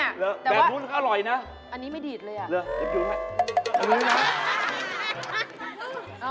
หรือแบบนู้นก็อร่อยนะแต่ว่าอันนี้ไม่ดีดเลยน่ะ